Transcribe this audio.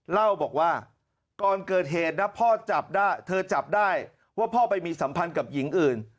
เล่าบอกว่าก่อนเกิดเหตุนะพ่อจับได้เธอจับได้ว่าพ่อไปมีสัมพันธ์กับหญิงอื่น